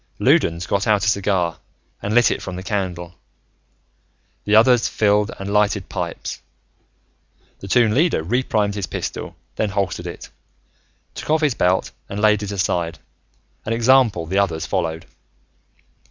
Loudons got out a cigar and lit it from the candle; the others filled and lighted pipes. The Toon Leader reprimed his pistol, then holstered it, took off his belt and laid it aside, an example the others followed.